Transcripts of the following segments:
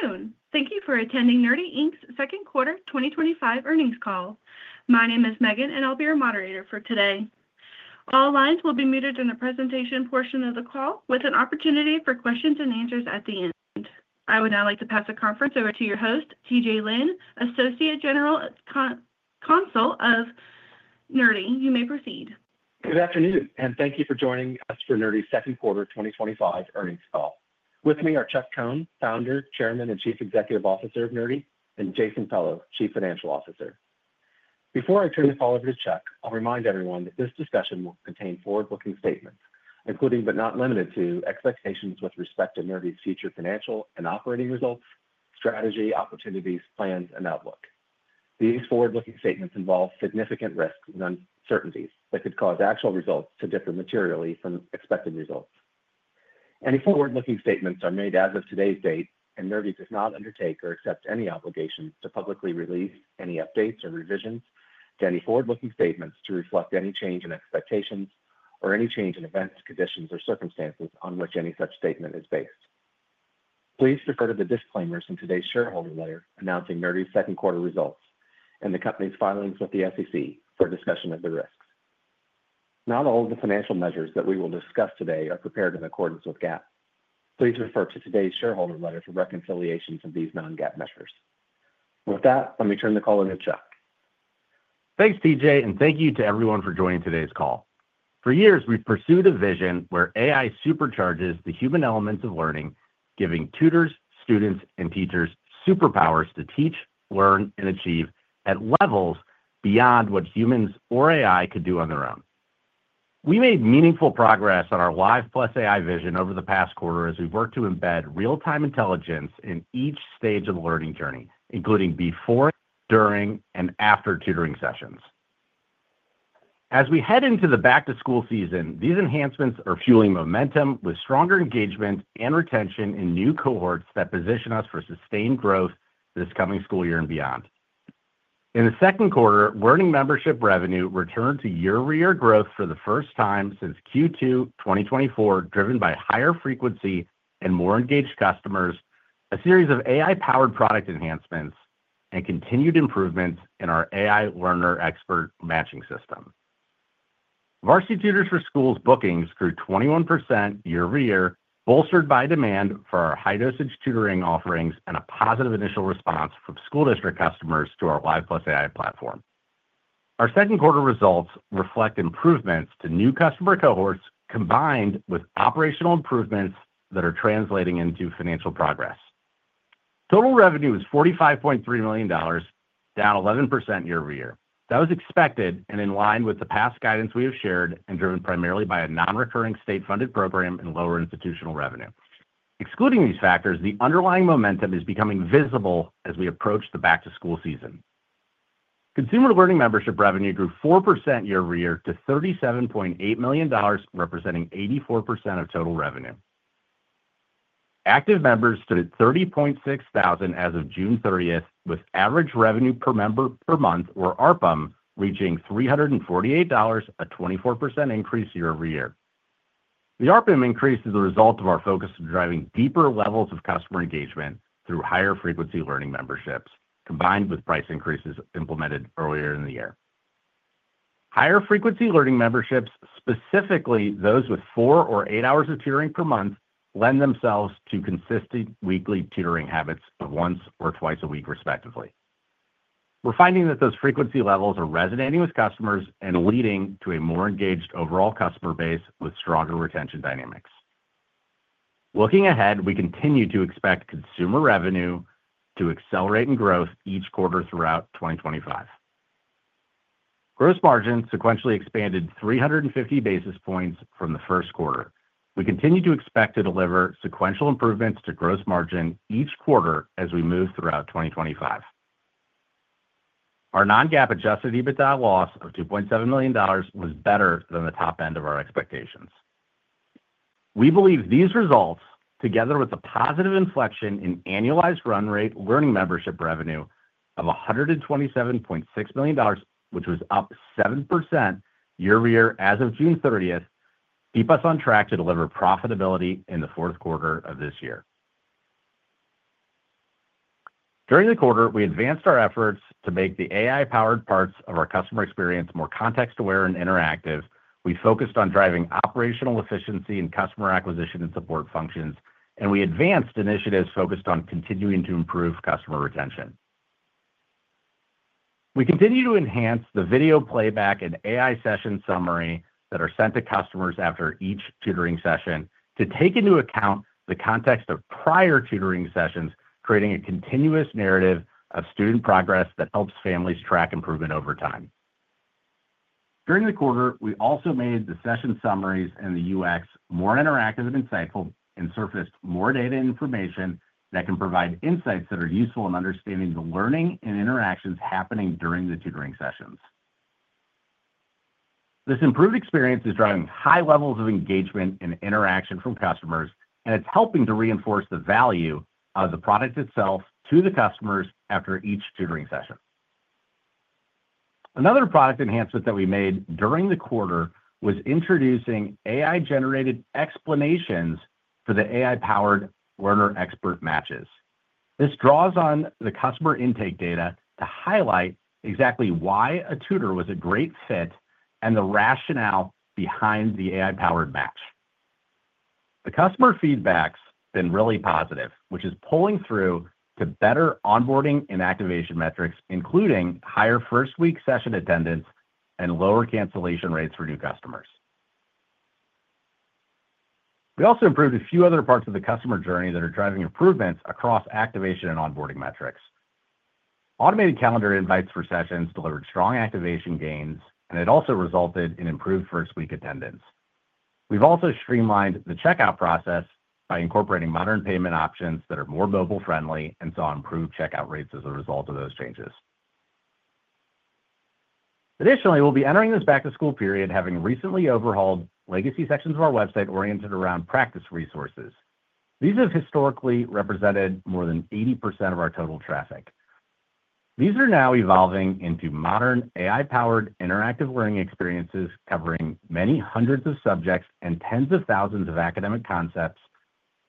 Good afternoon. Thank you for attending Nerdy Inc.'s second quarter 2025 earnings call. My name is Megan, and I'll be your moderator for today. All lines will be muted in the presentation portion of the call, with an opportunity for questions and answers at the end. I would now like to pass the conference over to your host, TJ Lynn, Associate General Counsel of Nerdy. You may proceed. Good afternoon, and thank you for joining us for Nerdy Inc.'s second quarter 2025 earnings call. With me are Chuck Cohn, Founder, Chairman, and Chief Executive Officer of Nerdy Inc., and Jason Pello, Chief Financial Officer. Before I turn the call over to Chuck, I'll remind everyone that this discussion will contain forward-looking statements, including but not limited to expectations with respect to Nerdy Inc.'s future financial and operating results, strategy, opportunities, plans, and outlook. These forward-looking statements involve significant risks and uncertainties that could cause actual results to differ materially from expected results. Any forward-looking statements are made as of today's date, and Nerdy Inc. does not undertake or accept any obligation to publicly release any updates or revisions to any forward-looking statements to reflect any change in expectations or any change in events, conditions, or circumstances on which any such statement is based. Please refer to the disclaimers in today's shareholder letter announcing Nerdy Inc.'s second quarter results and the company's filings with the SEC for discussion of the risks. Not all of the financial measures that we will discuss today are prepared in accordance with GAAP. Please refer to today's shareholder letter for reconciliation of these non-GAAP measures. With that, let me turn the call over to Chuck. Thanks, TJ, and thank you to everyone for joining today's call. For years, we've pursued a vision where AI supercharges the human elements of learning, giving tutors, students, and teachers superpowers to teach, learn, and achieve at levels beyond what humans or AI could do on their own. We made meaningful progress on our Live+ AI vision over the past quarter as we've worked to embed real-time intelligence in each stage of the learning journey, including before, during, and after tutoring sessions. As we head into the back-to-school season, these enhancements are fueling momentum with stronger engagement and retention in new cohorts that position us for sustained growth this coming school year and beyond. In the second quarter, learning membership revenue returned to year-over-year growth for the first time since Q2 2024, driven by higher frequency and more engaged customers, a series of AI-powered product enhancements, and continued improvements in our AI Learner Expert Matching System. Varsity Tutors for Schools' bookings grew 21% year over year, bolstered by demand for our high-dosage tutoring offerings and a positive initial response from school district customers to our Live+ AI platform. Our second quarter results reflect improvements to new customer cohorts combined with operational improvements that are translating into financial progress. Total revenue was $45.3 million, down 11% year over year. That was expected and in line with the past guidance we have shared and driven primarily by a non-recurring state-funded program in lower institutional revenue. Excluding these factors, the underlying momentum is becoming visible as we approach the back-to-school season. Consumer learning membership revenue grew 4% year over year to $37.8 million, representing 84% of total revenue. Active members stood at 30,600 as of June 30th, with average revenue per member per month, or ARPUM, reaching $348, a 24% increase year over year. The ARPUM increase is a result of our focus on driving deeper levels of customer engagement through higher frequency learning memberships, combined with price increases implemented earlier in the year. Higher frequency learning memberships, specifically those with four or eight hours of tutoring per month, lend themselves to consistent weekly tutoring habits of once or twice a week, respectively. We're finding that those frequency levels are resonating with customers and leading to a more engaged overall customer base with stronger retention dynamics. Looking ahead, we continue to expect consumer revenue to accelerate in growth each quarter throughout 2025. Gross margin sequentially expanded 350 basis points from the first quarter. We continue to expect to deliver sequential improvements to gross margin each quarter as we move throughout 2025. Our non-GAAP adjusted EBITDA loss of $2.7 million was better than the top end of our expectations. We believe these results, together with a positive inflection in annualized run rate learning membership revenue of $127.6 million, which was up 7% year over year as of June 30th, keep us on track to deliver profitability in the fourth quarter of this year. During the quarter, we advanced our efforts to make the AI-powered parts of our customer experience more context-aware and interactive. We focused on driving operational efficiency in customer acquisition and support functions, and we advanced initiatives focused on continuing to improve customer retention. We continue to enhance the video playback and AI session summary that are sent to customers after each tutoring session to take into account the context of prior tutoring sessions, creating a continuous narrative of student progress that helps families track improvement over time. During the quarter, we also made the session summaries and the UX more interactive and insightful and surfaced more data and information that can provide insights that are useful in understanding the learning and interactions happening during the tutoring sessions. This improved experience is driving high levels of engagement and interaction from customers, and it's helping to reinforce the value of the product itself to the customers after each tutoring session. Another product enhancement that we made during the quarter was introducing AI-generated explanations for the AI-powered Learner Expert Matches. This draws on the customer intake data to highlight exactly why a tutor was a great fit and the rationale behind the AI-powered match. The customer feedback's been really positive, which is pulling through to better onboarding and activation metrics, including higher first-week session attendance and lower cancellation rates for new customers. We also improved a few other parts of the customer journey that are driving improvements across activation and onboarding metrics. Automated calendar invites for sessions delivered strong activation gains, and it also resulted in improved first-week attendance. We've also streamlined the checkout process by incorporating modern payment options that are more mobile-friendly and saw improved checkout rates as a result of those changes. Additionally, we'll be entering this back-to-school period having recently overhauled legacy sections of our website oriented around practice resources. These have historically represented more than 80% of our total traffic. These are now evolving into modern AI-powered interactive learning experiences covering many hundreds of subjects and tens of thousands of academic concepts,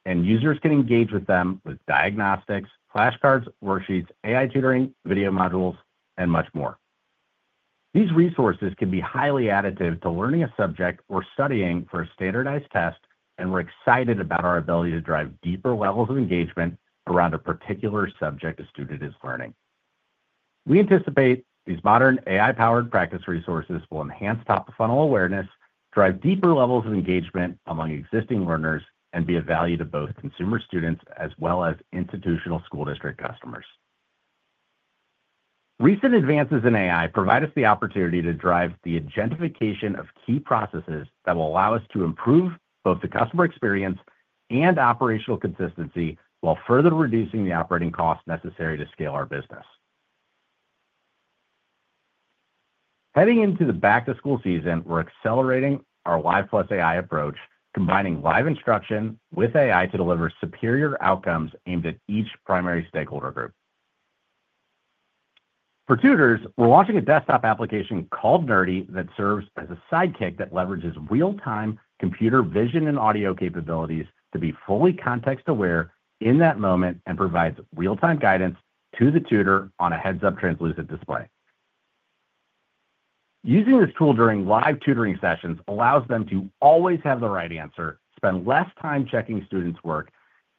and users can engage with them with diagnostics, flashcards, worksheets, AI tutoring, video modules, and much more. These resources can be highly additive to learning a subject or studying for a standardized test, and we're excited about our ability to drive deeper levels of engagement around a particular subject a student is learning. We anticipate these modern AI-powered practice resources will enhance top-of-the-funnel awareness, drive deeper levels of engagement among existing learners, and be of value to both consumer students as well as institutional school district customers. Recent advances in AI provide us the opportunity to drive the gentrification of key processes that will allow us to improve both the customer experience and operational consistency while further reducing the operating costs necessary to scale our business. Heading into the back-to-school season, we're accelerating our Live+ AI approach, combining live instruction with AI to deliver superior outcomes aimed at each primary stakeholder group. For tutors, we're launching a desktop application called Nerdy that serves as a sidekick that leverages real-time computer vision and audio capabilities to be fully context-aware in that moment and provides real-time guidance to the tutor on a heads-up translucent display. Using this tool during live tutoring sessions allows them to always have the right answer, spend less time checking students' work,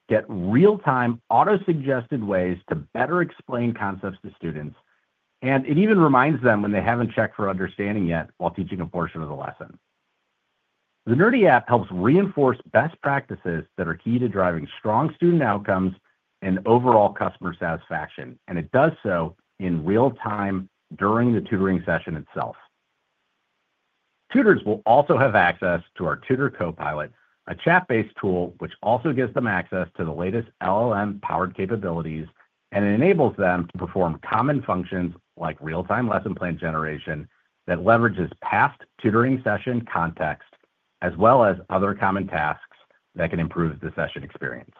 get real-time auto-suggested ways to better explain concepts to students, and it even reminds them when they haven't checked for understanding yet while teaching a portion of the lesson. The Nerdy app helps reinforce best practices that are key to driving strong student outcomes and overall customer satisfaction, and it does so in real time during the tutoring session itself. Tutors will also have access to our Tutor Copilot, a chat-based tool which also gives them access to the latest LLM-powered capabilities, and it enables them to perform common functions like real-time lesson plan generation that leverages past tutoring session context, as well as other common tasks that can improve the session experience.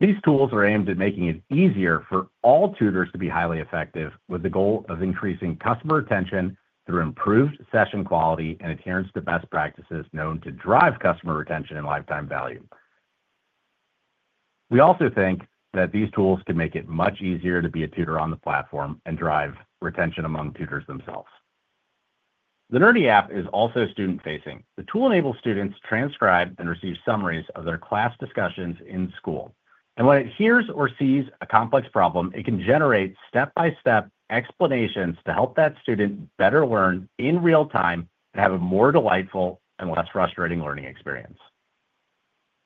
These tools are aimed at making it easier for all tutors to be highly effective with the goal of increasing customer retention through improved session quality and adherence to best practices known to drive customer retention and lifetime value. We also think that these tools can make it much easier to be a tutor on the platform and drive retention among tutors themselves. The Nerdy app is also student-facing. The tool enables students to transcribe and receive summaries of their class discussions in school. When it hears or sees a complex problem, it can generate step-by-step explanations to help that student better learn in real time and have a more delightful and less frustrating learning experience.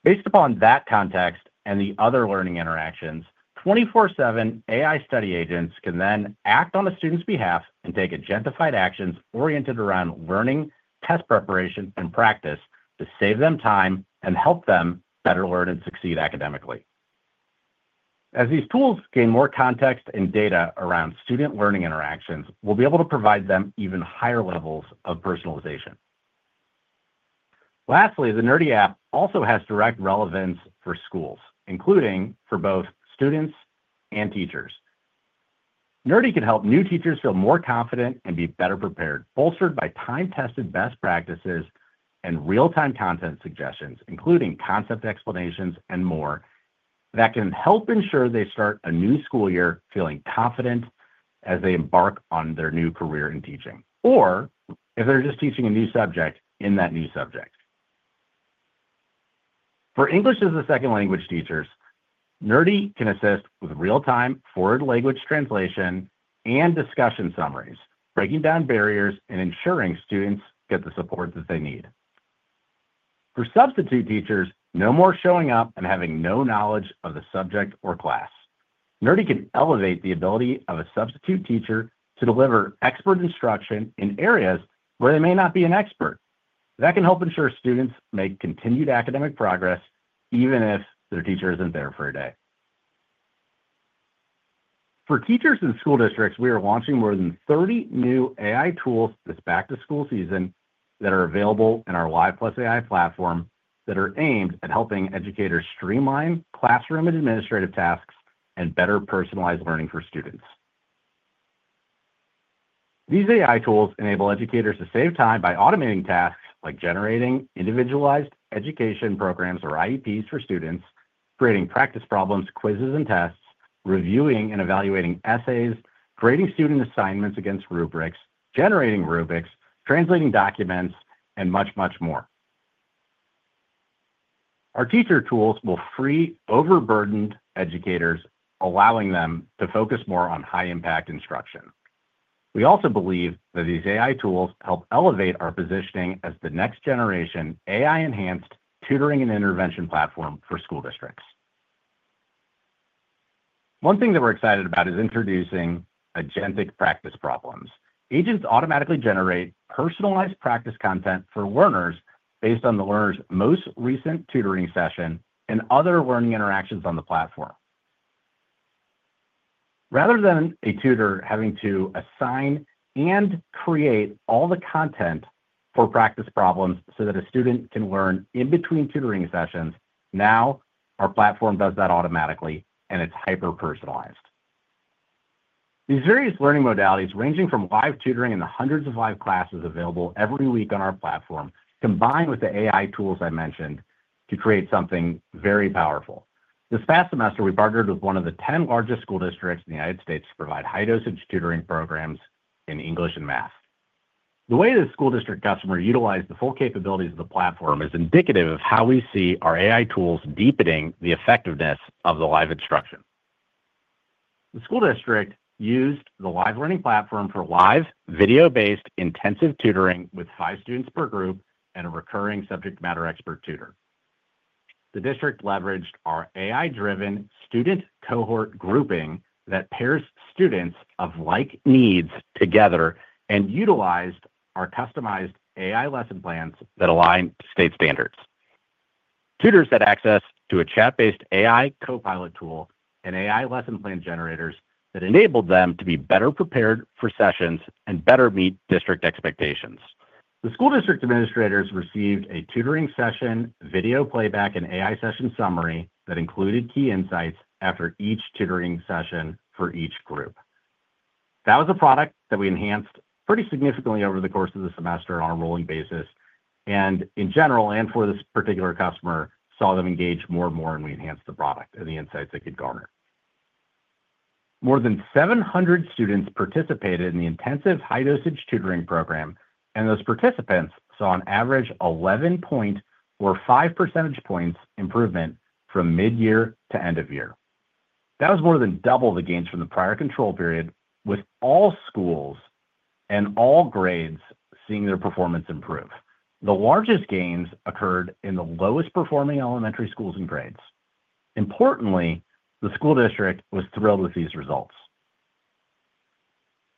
Based upon that context and the other learning interactions, 24/7 AI study agents can then act on a student's behalf and take identified actions oriented around learning, test preparation, and practice to save them time and help them better learn and succeed academically. As these tools gain more context and data around student learning interactions, we'll be able to provide them even higher levels of personalization. Lastly, the Nerdy app also has direct relevance for schools, including for both students and teachers. Nerdy can help new teachers feel more confident and be better prepared, bolstered by time-tested best practices and real-time content suggestions, including concept explanations and more that can help ensure they start a new school year feeling confident as they embark on their new career in teaching or if they're just teaching a new subject in that new subject. For English as a second language teachers, Nerdy can assist with real-time forward language translation and discussion summaries, breaking down barriers and ensuring students get the support that they need. For substitute teachers, no more showing up and having no knowledge of the subject or class. Nerdy can elevate the ability of a substitute teacher to deliver expert instruction in areas where they may not be an expert. That can help ensure students make continued academic progress even if their teacher isn't there for a day. For teachers and school districts, we are launching more than 30 new AI tools this back-to-school season that are available in our Live+ AI platform that are aimed at helping educators streamline classroom administrative tasks and better personalize learning for students. These AI tools enable educators to save time by automating tasks like generating individualized education programs or IEPs for students, creating practice problems, quizzes, and tests, reviewing and evaluating essays, creating student assignments against rubrics, generating rubrics, translating documents, and much, much more. Our teacher tools will free overburdened educators, allowing them to focus more on high-impact instruction. We also believe that these AI tools help elevate our positioning as the next generation AI-enhanced tutoring and intervention platform for school districts. One thing that we're excited about is introducing agentic practice problems. Agents automatically generate personalized practice content for learners based on the learner's most recent tutoring session and other learning interactions on the platform. Rather than a tutor having to assign and create all the content for practice problems so that a student can learn in between tutoring sessions, now our platform does that automatically, and it's hyper-personalized. These various learning modalities, ranging from live tutoring and the hundreds of live classes available every week on our platform, combine with the AI tools I mentioned to create something very powerful. This past semester, we partnered with one of the 10 largest school districts in the United States to provide high-dosage tutoring programs in English and math. The way the school district customer utilized the full capabilities of the platform is indicative of how we see our AI tools deepening the effectiveness of the live instruction. The school district used the live learning platform for live video-based intensive tutoring with five students per group and a recurring subject matter expert tutor. The district leveraged our AI-driven student cohort grouping that pairs students of like needs together and utilized our customized AI lesson plans that align to state standards. Tutors had access to a chat-based AI copilot tool and AI lesson plan generators that enabled them to be better prepared for sessions and better meet district expectations. The school district administrators received a tutoring session video playback and AI session summary that included key insights after each tutoring session for each group. That was a product that we enhanced pretty significantly over the course of the semester on a rolling basis, and in general, and for this particular customer, saw them engage more and more. We enhanced the product and the insights it could garner. More than 700 students participated in the intensive high-dosage tutoring program, and those participants saw an average 11 or five percentage points improvement from mid-year to end of year. That was more than double the gains from the prior control period, with all schools and all grades seeing their performance improve. The largest gains occurred in the lowest performing elementary schools and grades. Importantly, the school district was thrilled with these results.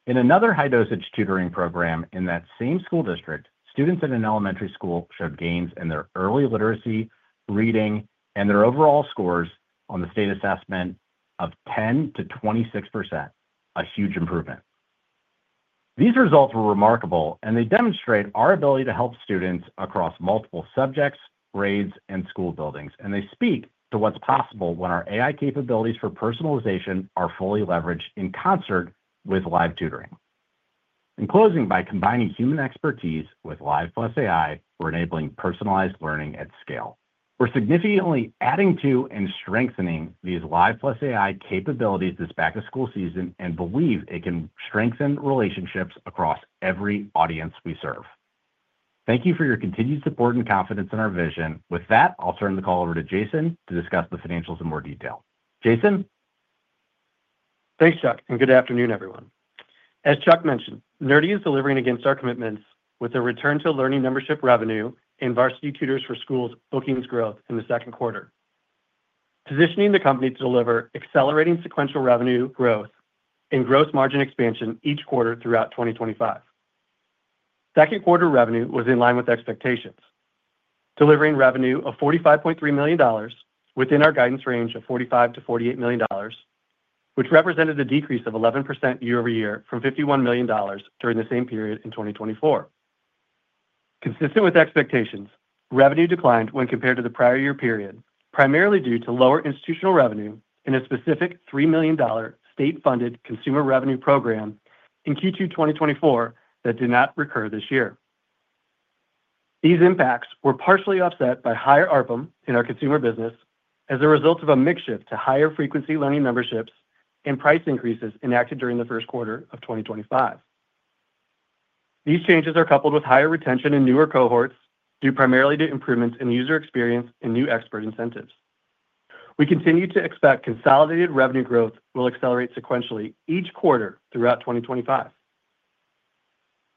In another high-dosage tutoring program in that same school district, students in an elementary school showed gains in their early literacy, reading, and their overall scores on the state assessment of 10% to 26%, a huge improvement. These results were remarkable, and they demonstrate our ability to help students across multiple subjects, grades, and school buildings, and they speak to what's possible when our AI capabilities for personalization are fully leveraged in concert with live tutoring. In closing, by combining human expertise with Live+ AI, we're enabling personalized learning at scale. We're significantly adding to and strengthening these Live+ AI capabilities this back-to-school season and believe it can strengthen relationships across every audience we serve. Thank you for your continued support and confidence in our vision. With that, I'll turn the call over to Jason to discuss the financials in more detail. Jason. Thanks, Chuck, and good afternoon, everyone. As Chuck mentioned, Nerdy is delivering against our commitments with a return to learning membership revenue in Varsity Tutors for Schools' bookings growth in the second quarter, positioning the company to deliver accelerating sequential revenue growth and gross margin expansion each quarter throughout 2025. Second quarter revenue was in line with expectations, delivering revenue of $45.3 million within our guidance range of $45 million-$48 million, which represented a decrease of 11% year over year from $51 million during the same period in 2024. Consistent with expectations, revenue declined when compared to the prior year period, primarily due to lower institutional revenue and a specific $3 million state-funded consumer revenue program in Q2 2024 that did not recur this year. These impacts were partially offset by higher ARPUM in our consumer business as a result of a mix shift to higher frequency learning memberships and price increases enacted during the first quarter of 2025. These changes are coupled with higher retention in newer cohorts due primarily to improvements in user experience and new expert incentives. We continue to expect consolidated revenue growth will accelerate sequentially each quarter throughout 2025.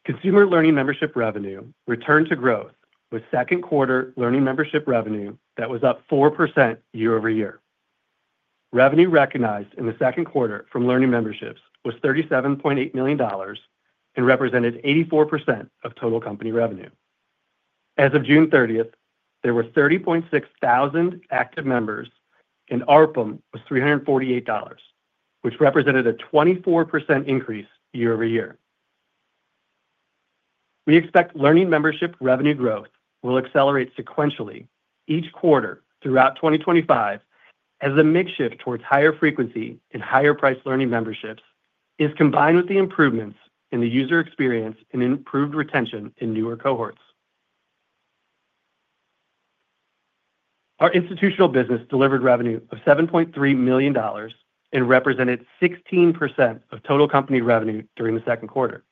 Consumer learning membership revenue returned to growth with second quarter learning membership revenue that was up 4% year over year. Revenue recognized in the second quarter from learning memberships was $37.8 million and represented 84% of total company revenue. As of June 30, there were 30,600 active members, and ARPUM was $348, which represented a 24% increase year over year. We expect learning membership revenue growth will accelerate sequentially each quarter throughout 2025 as the mix shift towards higher frequency and higher price learning memberships is combined with the improvements in the user experience and improved retention in newer cohorts. Our institutional business delivered revenue of $7.3 million and represented 16% of total company revenue during the second quarter.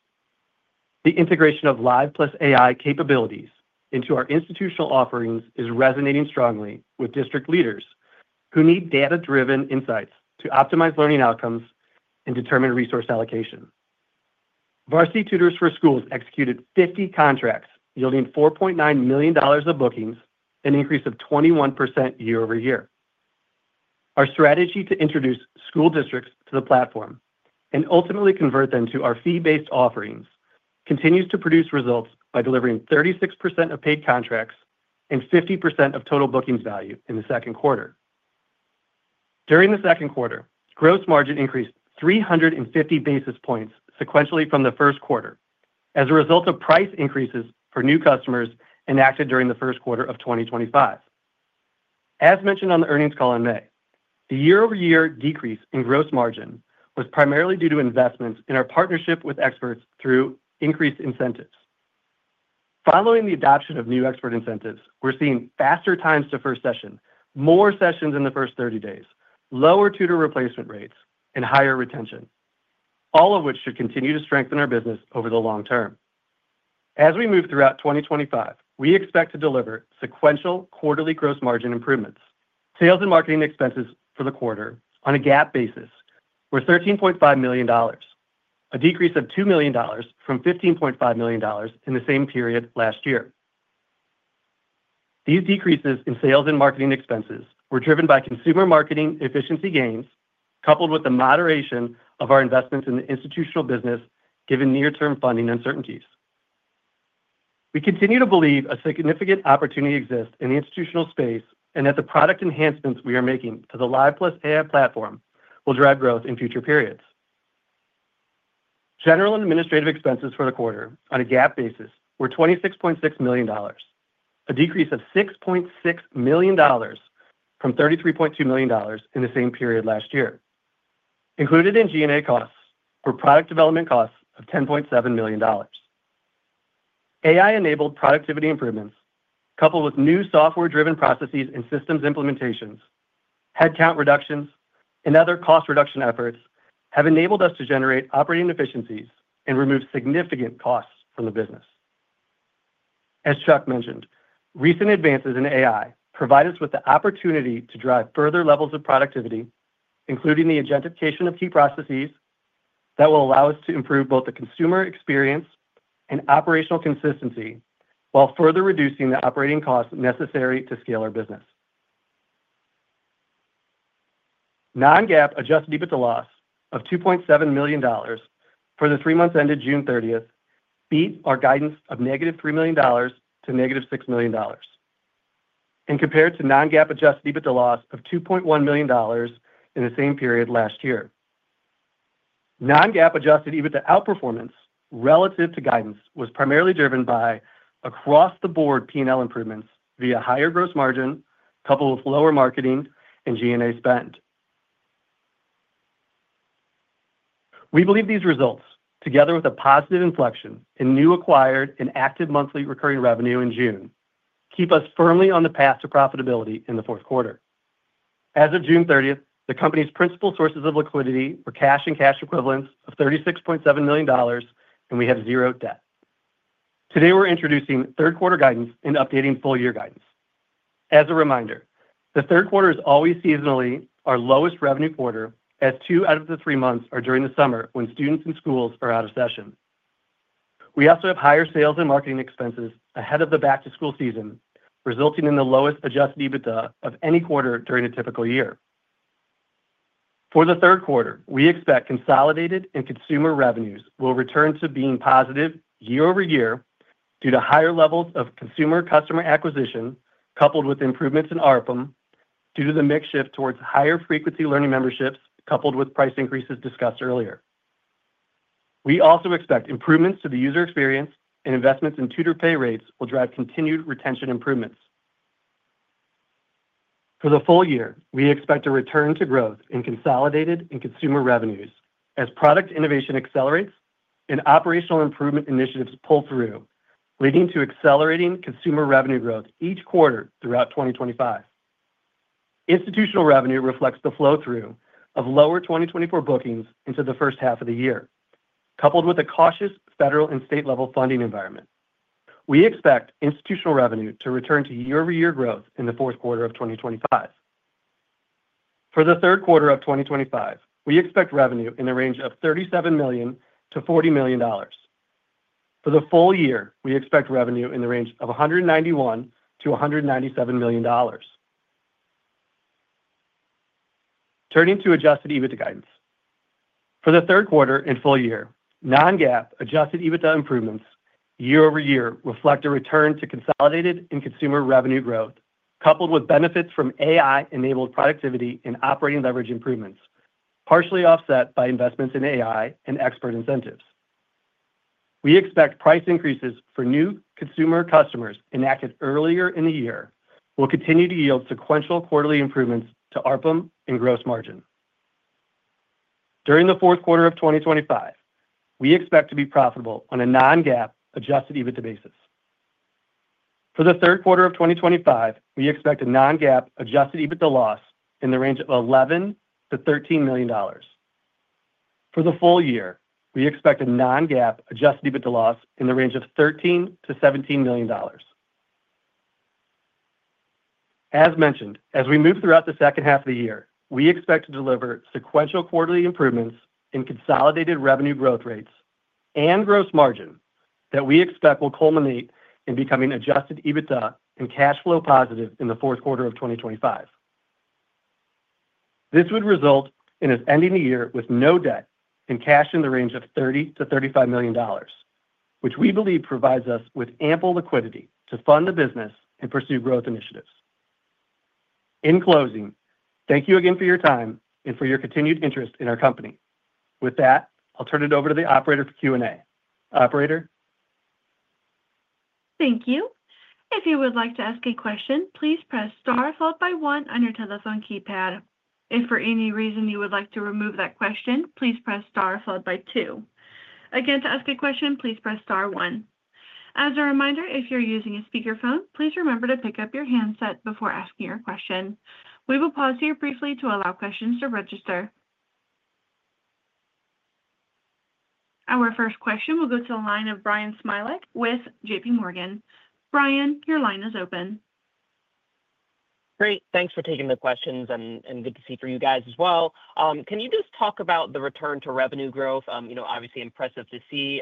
The integration of Live+ AI capabilities into our institutional offerings is resonating strongly with district leaders who need data-driven insights to optimize learning outcomes and determine resource allocation. Varsity Tutors for Schools executed 50 contracts, yielding $4.9 million of bookings, an increase of 21% year over year. Our strategy to introduce school districts to the platform and ultimately convert them to our fee-based offerings continues to produce results by delivering 36% of paid contracts and 50% of total bookings value in the second quarter. During the second quarter, gross margin increased 350 basis points sequentially from the first quarter as a result of price increases for new customers enacted during the first quarter of 2025. As mentioned on the earnings call in May, the year-over-year decrease in gross margin was primarily due to investments in our partnership with experts through increased incentives. Following the adoption of new expert incentives, we're seeing faster times to first session, more sessions in the first 30 days, lower tutor replacement rates, and higher retention, all of which should continue to strengthen our business over the long term. As we move throughout 2025, we expect to deliver sequential quarterly gross margin improvements. Sales and marketing expenses for the quarter on a GAAP basis were $13.5 million, a decrease of $2 million from $15.5 million in the same period last year. These decreases in sales and marketing expenses were driven by consumer marketing efficiency gains, coupled with the moderation of our investments in the institutional business, given near-term funding uncertainties. We continue to believe a significant opportunity exists in the institutional space and that the product enhancements we are making to the Live+ AI platform will drive growth in future periods. General and administrative expenses for the quarter on a GAAP basis were $26.6 million, a decrease of $6.6 million from $33.2 million in the same period last year. Included in G&A costs were product development costs of $10.7 million. AI-enabled productivity improvements, coupled with new software-driven processes and systems implementations, headcount reductions, and other cost reduction efforts have enabled us to generate operating efficiencies and remove significant costs from the business. As Chuck mentioned, recent advances in AI provide us with the opportunity to drive further levels of productivity, including the identification of key processes that will allow us to improve both the consumer experience and operational consistency while further reducing the operating costs necessary to scale our business. Non-GAAP adjusted EBITDA loss of $2.7 million for the three months ended June 30th beat our guidance of negative $3 million to negative $6 million and compared to non-GAAP adjusted EBITDA loss of $2.1 million in the same period last year. Non-GAAP adjusted EBITDA outperformance relative to guidance was primarily driven by across-the-board P&L improvements via higher gross margin, coupled with lower marketing and G&A spend. We believe these results, together with a positive inflection in new acquired and active monthly recurring revenue in June, keep us firmly on the path to profitability in the fourth quarter. As of June 30th, the company's principal sources of liquidity were cash and cash equivalents of $36.7 million, and we have zero debt. Today, we're introducing third quarter guidance and updating full year guidance. As a reminder, the third quarter is always seasonally our lowest revenue quarter as two out of the three months are during the summer when students and schools are out of session. We also have higher sales and marketing expenses ahead of the back-to-school season, resulting in the lowest adjusted EBITDA of any quarter during a typical year. For the third quarter, we expect consolidated and consumer revenues will return to being positive year over year due to higher levels of consumer customer acquisition, coupled with improvements in ARPUM due to the makeshift towards higher frequency learning memberships, coupled with price increases discussed earlier. We also expect improvements to the user experience and investments in tutor pay rates will drive continued retention improvements. For the full year, we expect a return to growth in consolidated and consumer revenues as product innovation accelerates and operational improvement initiatives pull through, leading to accelerating consumer revenue growth each quarter throughout 2025. Institutional revenue reflects the flow-through of lower 2024 bookings into the first half of the year, coupled with a cautious federal and state-level funding environment. We expect institutional revenue to return to year-over-year growth in the fourth quarter of 2025. For the third quarter of 2025, we expect revenue in the range of $37 million-$40 million. For the full year, we expect revenue in the range of $191 million-$197 million. Turning to adjusted EBITDA guidance. For the third quarter and full year, non-GAAP adjusted EBITDA improvements year over year reflect a return to consolidated and consumer revenue growth, coupled with benefits from AI-enabled productivity and operating leverage improvements, partially offset by investments in AI and expert incentives. We expect price increases for new consumer customers enacted earlier in the year will continue to yield sequential quarterly improvements to ARPUM and gross margin. During the fourth quarter of 2025, we expect to be profitable on a non-GAAP adjusted EBITDA basis. For the third quarter of 2025, we expect a non-GAAP adjusted EBITDA loss in the range of $11 million-$13 million. For the full year, we expect a non-GAAP adjusted EBITDA loss in the range of $13 million-$17 million. As mentioned, as we move throughout the second half of the year, we expect to deliver sequential quarterly improvements in consolidated revenue growth rates and gross margin that we expect will culminate in becoming adjusted EBITDA and cash flow positive in the fourth quarter of 2025. This would result in us ending the year with no debt and cash in the range of $30 million-$35 million, which we believe provides us with ample liquidity to fund the business and pursue growth initiatives. In closing, thank you again for your time and for your continued interest in our company. With that, I'll turn it over to the operator for Q&A. Operator? Thank you. If you would like to ask a question, please press star followed by one on your telephone keypad. If for any reason you would like to remove that question, please press star followed by two. Again, to ask a question, please press star one. As a reminder, if you're using a speakerphone, please remember to pick up your handset before asking your question. We will pause here briefly to allow questions to register. Our first question will go to the line of Bryan Smilek with JP Morgan. Brian, your line is open. Great. Thanks for taking the questions. Good to see you guys as well. Can you just talk about the return to revenue growth? Obviously, impressive to see.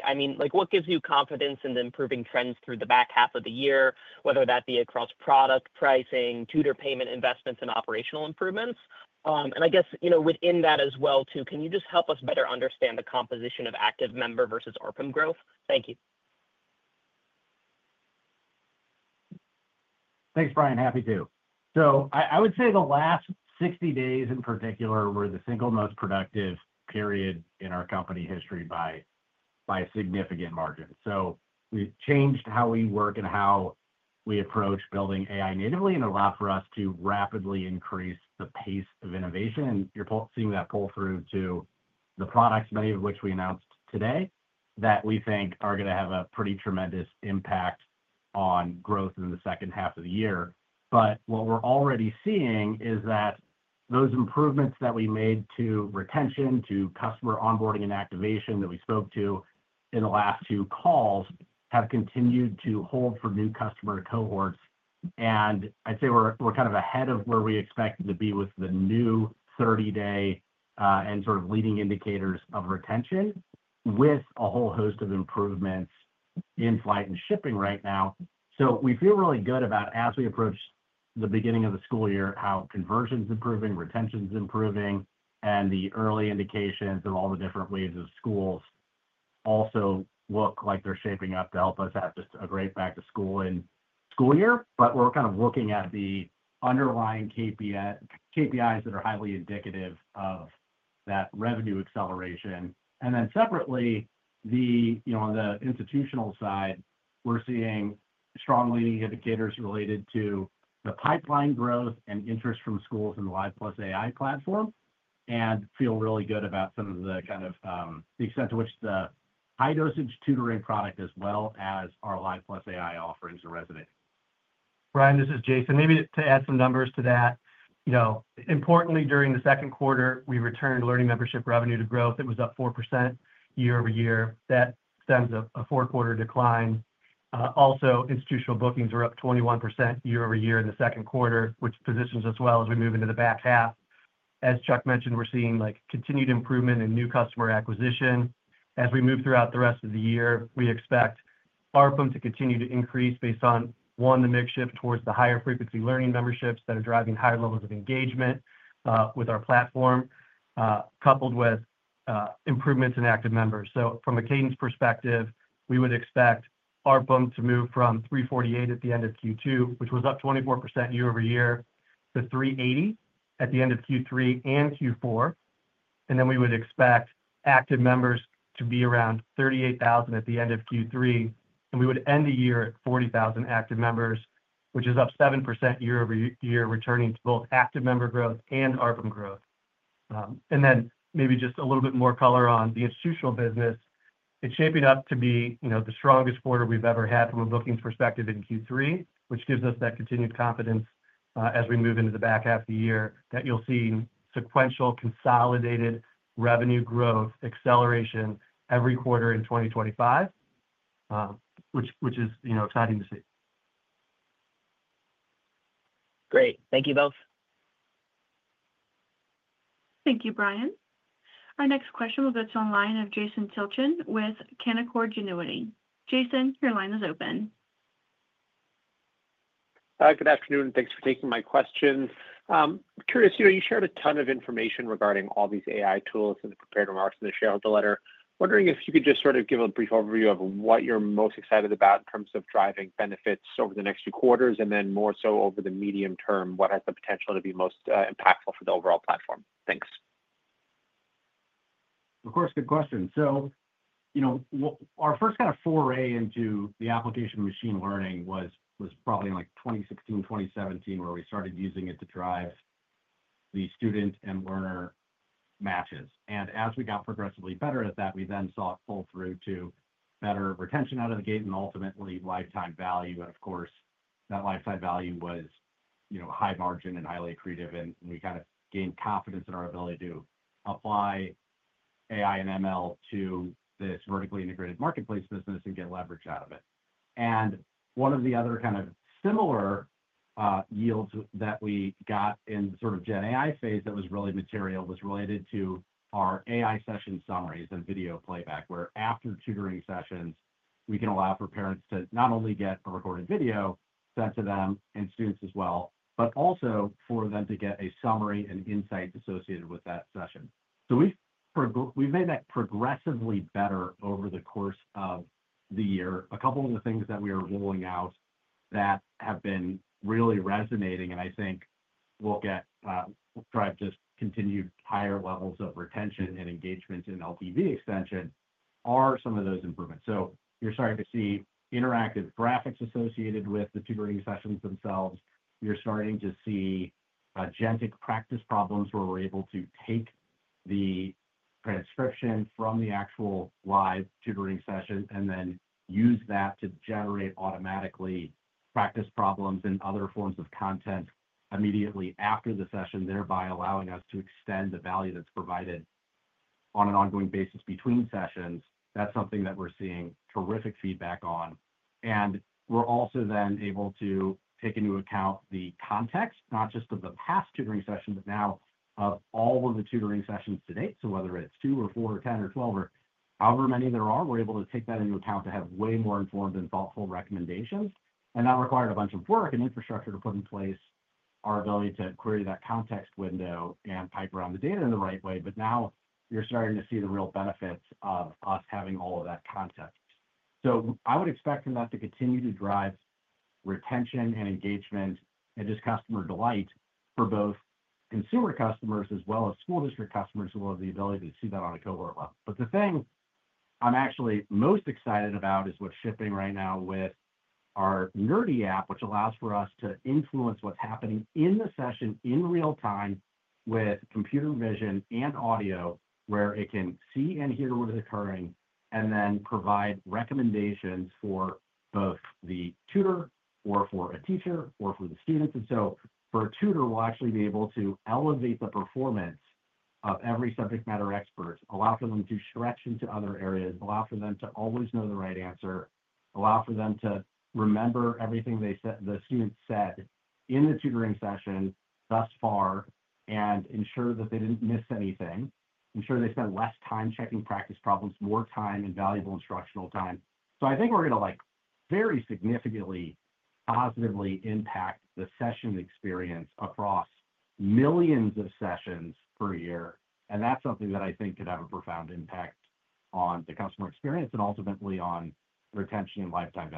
What gives you confidence in the improving trends through the back half of the year, whether that be across product pricing, tutor payment investments, and operational improvements? I guess within that as well, can you just help us better understand the composition of active member versus ARPUM growth? Thank you. Thanks, Bryan. Happy to. I would say the last 60 days in particular were the single most productive period in our company history by significant margins. We changed how we work and how we approach building AI natively, and it allowed for us to rapidly increase the pace of innovation. You're seeing that pull through to the products, many of which we announced today, that we think are going to have a pretty tremendous impact on growth in the second half of the year. What we're already seeing is that those improvements that we made to retention, to customer onboarding and activation that we spoke to in the last two calls have continued to hold for new customer cohorts. I'd say we're kind of ahead of where we expect to be with the new 30-day and sort of leading indicators of retention with a whole host of improvements in flight and shipping right now. We feel really good about, as we approach the beginning of the school year, how conversion is improving, retention is improving, and the early indications of all the different ways that schools also look like they're shaping up to help us have just a great back-to-school school year. We're kind of looking at the underlying KPIs that are highly indicative of that revenue acceleration. Separately, on the institutional side, we're seeing strong leading indicators related to the pipeline growth and interest from schools in the Live+ AI platform and feel really good about the extent to which the high-dosage tutoring product, as well as our Live+ AI offerings, are resonating. Brian, this is Jason. Maybe to add some numbers to that. Importantly, during the second quarter, we returned learning membership revenue to growth. It was up 4% year over year. That stems a four-quarter decline. Also, institutional bookings were up 21% year over year in the second quarter, which positions us well as we move into the back half. As Chuck mentioned, we're seeing continued improvement in new customer acquisition. As we move throughout the rest of the year, we expect ARPUM to continue to increase based on, one, the makeshift towards the higher frequency learning memberships that are driving higher levels of engagement with our platform, coupled with improvements in active members. From a cadence perspective, we would expect ARPUM to move from $348 at the end of Q2, which was up 24% year over year, to $380 at the end of Q3 and Q4. We would expect active members to be around 38,000 at the end of Q3. We would end the year at 40,000 active members, which is up 7% year over year, returning to both active member growth and ARPUM growth. Maybe just a little bit more color on the institutional business. It's shaping up to be the strongest quarter we've ever had from a bookings perspective in Q3, which gives us that continued confidence as we move into the back half of the year that you'll see sequential consolidated revenue growth acceleration every quarter in 2025, which is exciting to see. Great. Thank you both. Thank you, Bryan. Our next question will go to the line of Jason Tilchen with Canaccord Genuity. Jason, your line is open. Good afternoon. Thanks for taking my question. Curious, you know, you shared a ton of information regarding all these AI tools in the prepared remarks in the shareholder letter. Wondering if you could just sort of give a brief overview of what you're most excited about in terms of driving benefits over the next few quarters, and then more so over the medium term, what has the potential to be most impactful for the overall platform. Thanks. Of course. Good question. Our first kind of foray into the application of machine learning was probably in 2016, 2017, where we started using it to drive the student and learner matches. As we got progressively better at that, we then saw it pull through to better retention out of the gate and ultimately lifetime value. That lifetime value was high margin and highly accretive. We kind of gained confidence in our ability to apply AI and ML to this vertically integrated marketplace business and get leverage out of it. One of the other similar yields that we got in the GenAI phase that was really material was related to our AI session summaries and video playback, where after the tutoring sessions, we can allow for parents to not only get a recorded video sent to them and students as well, but also for them to get a summary and insight associated with that session. We've made that progressively better over the course of the year. A couple of the things that we are rolling out that have been really resonating and I think will drive just continued higher levels of retention and engagement in LTV extension are some of those improvements. You're starting to see interactive graphics associated with the tutoring sessions themselves. You're starting to see agentic practice problems where we're able to take the transcription from the actual live tutoring session and then use that to generate automatically practice problems and other forms of content immediately after the session, thereby allowing us to extend the value that's provided on an ongoing basis between sessions. That's something that we're seeing terrific feedback on. We're also then able to take into account the context, not just of the past tutoring session, but now of all of the tutoring sessions to date. Whether it's 2 or 4 or 10 or 12 or however many there are, we're able to take that into account to have way more informed and thoughtful recommendations. That required a bunch of work and infrastructure to put in place our ability to query that context window and pipe around the data in the right way. Now you're starting to see the real benefits of us having all of that context. I would expect that to continue to drive retention and engagement and just customer delight for both consumer customers as well as school district customers who will have the ability to see that on a cohort level. The thing I'm actually most excited about is what's shipping right now with our Nerdy desktop application, which allows for us to influence what's happening in the session in real time with computer vision and audio, where it can see and hear what is occurring and then provide recommendations for both the tutor or for a teacher or for the students. For a tutor, we'll actually be able to elevate the performance of every subject matter expert, allow for them to do corrections to other areas, allow for them to always know the right answer, allow for them to remember everything the students said in the tutoring session thus far and ensure that they didn't miss anything, ensure they spent less time checking practice problems, more time and valuable instructional time. I think we're going to very significantly positively impact the session experience across millions of sessions per year. That's something that I think could have a profound impact on the customer experience and ultimately on retention and lifetime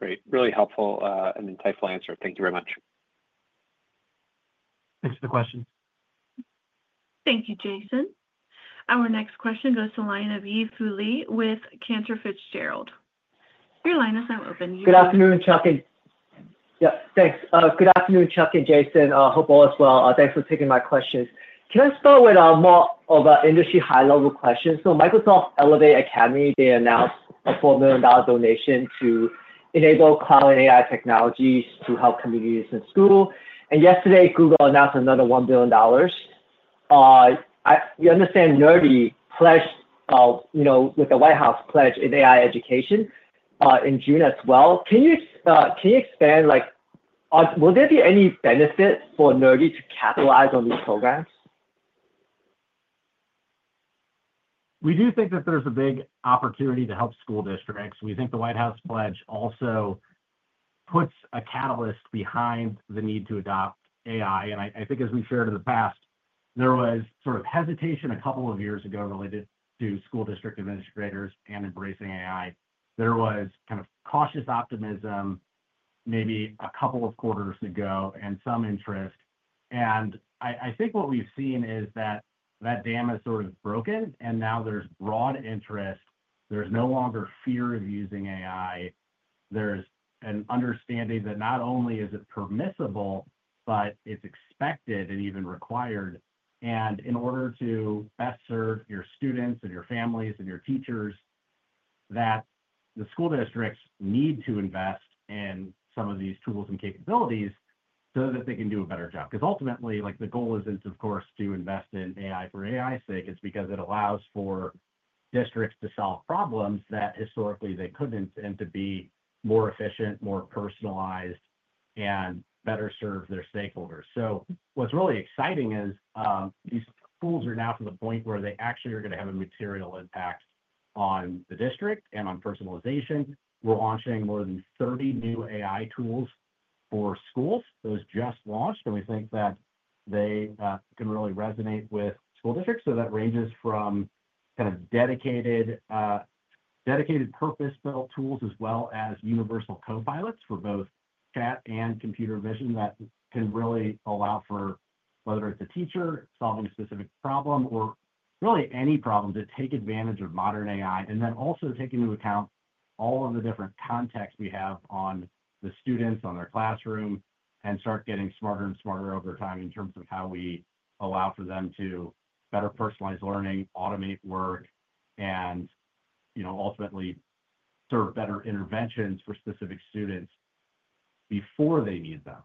value. Great. Really helpful and insightful answer. Thank you very much. Thanks for the question. Thank you, Jason. Our next question goes to a line of Yi Fu Lee with Cantor Fitzgerald. Your line is now open. Good afternoon, Chuck. Thanks. Good afternoon, Chuck and Jason. Hope all is well. Thanks for taking my questions. Can I start with more of an industry high-level question? Microsoft Elevate Academy announced a $4 million donation to enable cloud and AI technologies to help communities in school. Yesterday, Google announced another $1 billion. You understand Nerdy pledged, you know, with the White House pledge in AI education in June as well. Can you expand on will there be any benefit for Nerdy to capitalize on these programs? We do think that there's a big opportunity to help school districts. We think the White House pledge also puts a catalyst behind the need to adopt AI. As we've shared in the past, there was sort of hesitation a couple of years ago related to school district administrators and embracing AI. There was kind of cautious optimism maybe a couple of quarters ago and some interest. What we've seen is that that dam has sort of broken. Now there's broad interest. There's no longer fear of using AI. There's an understanding that not only is it permissible, but it's expected and even required. In order to best serve your students and your families and your teachers, the school districts need to invest in some of these tools and capabilities so that they can do a better job. Ultimately, the goal isn't, of course, to invest in AI for AI's sake. It's because it allows for districts to solve problems that historically they couldn't and to be more efficient, more personalized, and better serve their stakeholders. What's really exciting is these tools are now to the point where they actually are going to have a material impact on the district and on personalization. We're launching more than 30 new AI tools for schools. Those just launched. We think that they can really resonate with school districts. That ranges from kind of dedicated, purpose-built tools as well as universal copilots for both chat and computer vision that can really allow for, whether it's a teacher solving a specific problem or really any problem, to take advantage of modern AI and then also take into account all of the different contexts we have on the students, on their classroom, and start getting smarter and smarter over time in terms of how we allow for them to better personalize learning, automate work, and ultimately serve better interventions for specific students before they need them.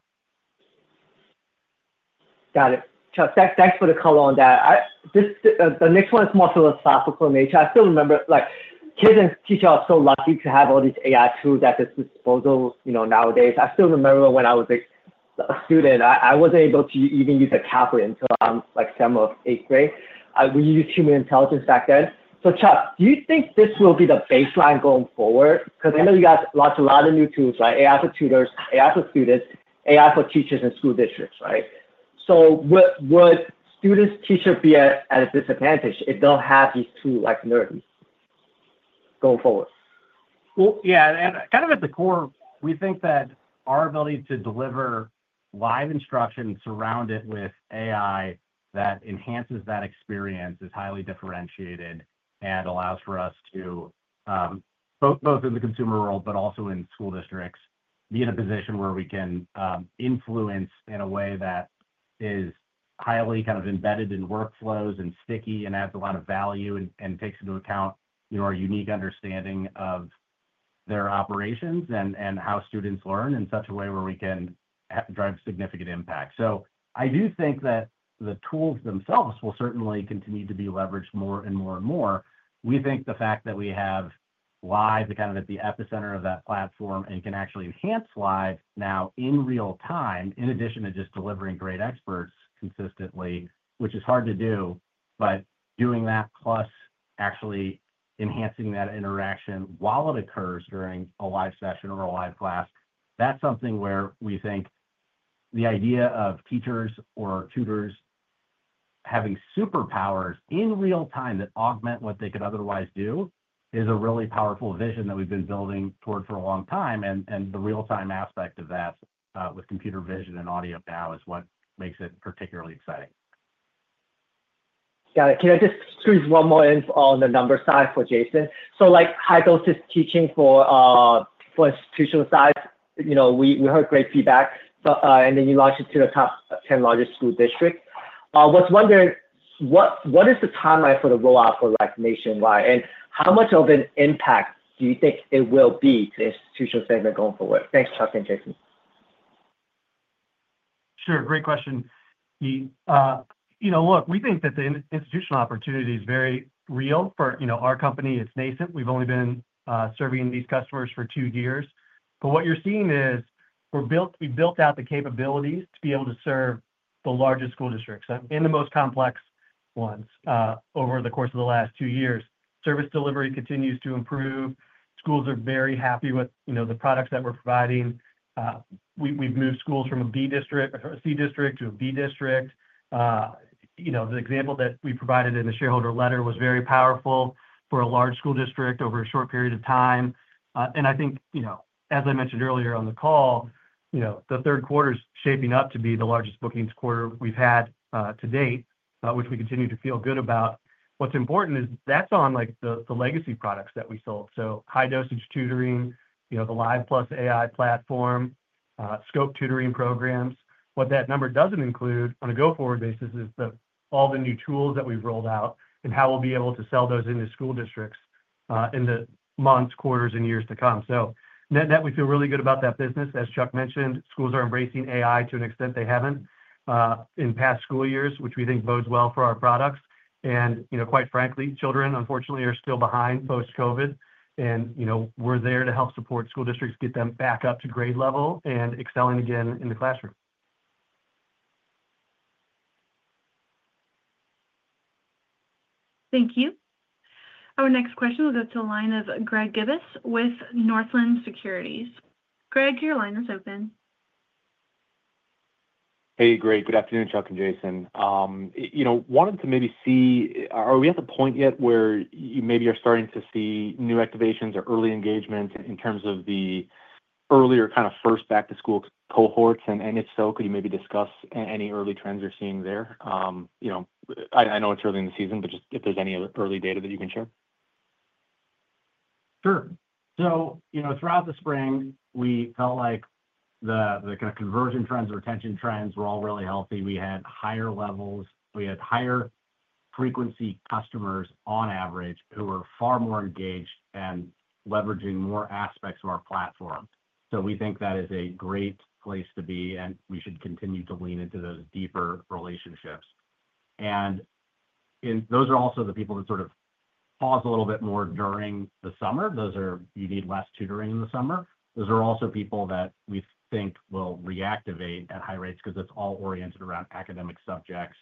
Got it. Chuck, thanks for the call on that. This next one is more philosophical in nature. I still remember kids and teachers are so lucky to have all these AI tools at their disposal nowadays. I still remember when I was a student, I wasn't able to even use a calculator until I'm like seventh or eighth grade. We used human intelligence back then. Chuck, do you think this will be the baseline going forward? I know you guys launched a lot of new tools, right? AI for tutors, AI for students, AI for teachers in school districts, right? Would students or teachers be at a disadvantage if they don't have these tools like Nerdy going forward? At the core, we think that our ability to deliver live instruction surrounded with AI that enhances that experience is highly differentiated and allows for us to, both in the consumer world, but also in school districts, be in a position where we can influence in a way that is highly kind of embedded in workflows and sticky and adds a lot of value and takes into account our unique understanding of their operations and how students learn in such a way where we can drive significant impact. I do think that the tools themselves will certainly continue to be leveraged more and more and more. We think the fact that we have live accounted at the epicenter of that platform and can actually enhance live now in real time, in addition to just delivering great experts consistently, which is hard to do, but doing that plus actually enhancing that interaction while it occurs during a live session or a live class, that's something where we think the idea of teachers or tutors having superpowers in real time that augment what they could otherwise do is a really powerful vision that we've been building towards for a long time. The real-time aspect of that with computer vision and audio now is what makes it particularly exciting. Got it. Can I just squeeze one more in on the number side for Jason? High-dosage teaching for institutional size, you know, we heard great feedback. You launched it to the top 10 largest school districts. I was wondering, what is the timeline for the rollout for nationwide? How much of an impact do you think it will be to institutional standards going forward? Thanks, Chuck and Jason. Sure. Great question. We think that the institutional opportunity is very real for our company. It's nascent. We've only been serving these customers for two years. What you're seeing is we built out the capabilities to be able to serve the largest school districts and the most complex ones over the course of the last two years. Service delivery continues to improve. Schools are very happy with the products that we're providing. We've moved schools from a C district to a B district. The example that we provided in the shareholder letter was very powerful for a large school district over a short period of time. I think, as I mentioned earlier on the call, the third quarter is shaping up to be the largest bookings quarter we've had to date, which we continue to feel good about. What's important is that's on the legacy products that we sold, such as high-dosage tutoring, the Live+ AI platform, and scope tutoring programs. What that number doesn't include on a go-forward basis is all the new tools that we've rolled out and how we'll be able to sell those into school districts in the months, quarters, and years to come. Net-net, we feel really good about that business. As Chuck mentioned, schools are embracing AI to an extent they haven't in past school years, which we think bodes well for our products. Quite frankly, children, unfortunately, are still behind post-COVID. We're there to help support school districts, get them back up to grade level, and excelling again in the classroom. Thank you. Our next question will go to a line of Gregory Gibas with Northland Securities. Gregory, your line is open. Hey, Greg. Good afternoon, Chuck and Jason. I wanted to maybe see, are we at the point yet where you maybe are starting to see new activations or early engagement in terms of the earlier kind of first back-to-school cohorts? If so, could you maybe discuss any early trends you're seeing there? I know it's early in the season, but just if there's any early data that you can share. Sure. Throughout the spring, we felt like the kind of conversion trends and retention trends were all really healthy. We had higher levels, we had higher frequency customers on average who were far more engaged and leveraging more aspects of our platform. We think that is a great place to be, and we should continue to lean into those deeper relationships. Those are also the people that sort of pause a little bit more during the summer. Those are you need less tutoring in the summer. Those are also people that we think will reactivate at high rates because it's all oriented around academic subjects,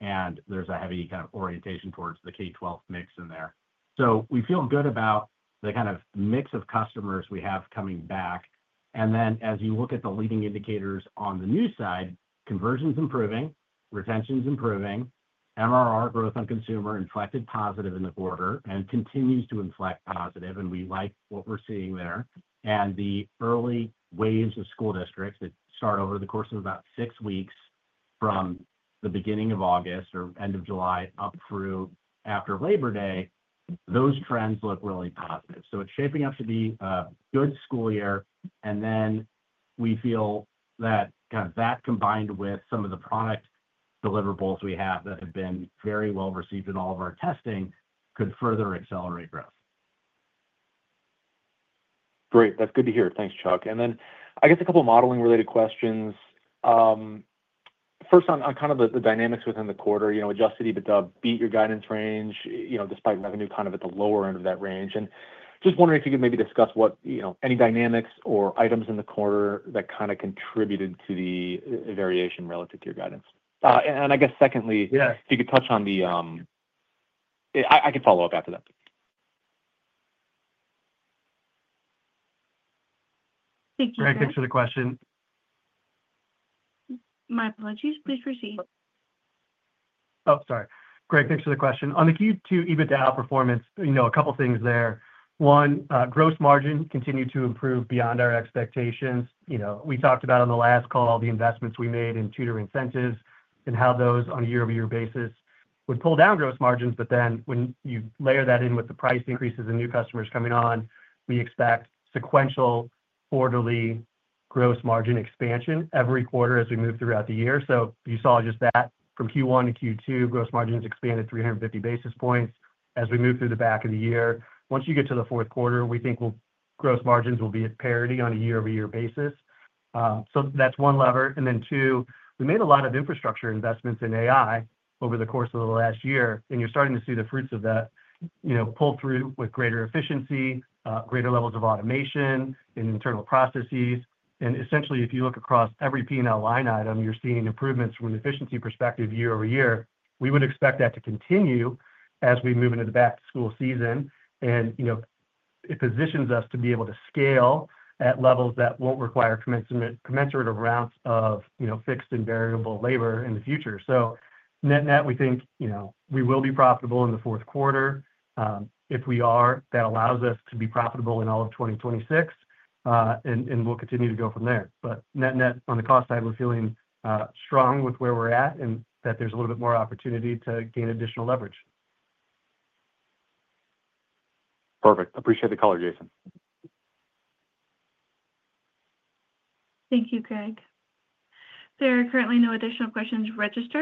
and there's a heavy kind of orientation towards the K-12 mix in there. We feel good about the kind of mix of customers we have coming back. As you look at the leading indicators on the new side, conversion is improving, retention is improving, MRR growth on consumer inflected positive in the quarter and continues to inflect positive. We like what we're seeing there. The early waves of school districts that start over the course of about six weeks from the beginning of August or end of July up through after Labor Day, those trends look really positive. It's shaping up to be a good school year. We feel that combined with some of the product deliverables we have that have been very well received in all of our testing could further accelerate growth. Great. That's good to hear. Thanks, Chuck. I guess a couple of modeling-related questions. First, on kind of the dynamics within the quarter, adjusted EBITDA beat your guidance range despite revenue kind of at the lower end of that range. Just wondering if you could maybe discuss any dynamics or items in the quarter that contributed to the variation relative to your guidance. I guess secondly, if you could touch on the I could follow up after that. Thank you. Greg, thanks for the question. My apologies. Please proceed. Oh, sorry. Greg, thanks for the question. On the Q2 EBITDA outperformance, a couple of things there. One, gross margin continued to improve beyond our expectations. We talked about on the last call all the investments we made in tutor incentives and how those on a year-over-year basis would pull down gross margins. When you layer that in with the price increases and new customers coming on, we expect sequential quarterly gross margin expansion every quarter as we move throughout the year. You saw just that from Q1 to Q2, gross margins expanded 350 basis points as we move through the back of the year. Once you get to the fourth quarter, we think gross margins will be at parity on a year-over-year basis. That's one lever. Then, we made a lot of infrastructure investments in AI over the course of the last year, and you're starting to see the fruits of that pull through with greater efficiency, greater levels of automation in internal processes. Essentially, if you look across every P&L line item, you're seeing improvements from an efficiency perspective year over year. We would expect that to continue as we move into the back-to-school season. It positions us to be able to scale at levels that won't require commensurative amounts of fixed and variable labor in the future. Net-net, we think we will be profitable in the fourth quarter. If we are, that allows us to be profitable in all of 2026, and we'll continue to go from there. Net-net, on the cost side, we're feeling strong with where we're at and that there's a little bit more opportunity to gain additional leverage. Perfect. Appreciate the call, Jason. Thank you, Greg. There are currently no additional questions registered.